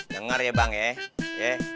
dengar ya bang ya